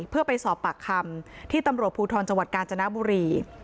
เพื่อไปสอบปากคำที่ตำรวจภูทรจังหวัดกาญจนบุรี